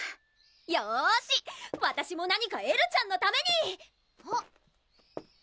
よしわたしも何かエルちゃんのためにあっ！